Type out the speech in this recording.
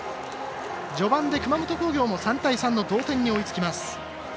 序盤で、熊本工業も３対３の同点に追いつきます。